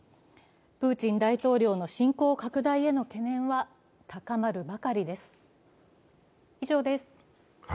プーチン大統領の侵攻拡大への懸念は高まるばかりです。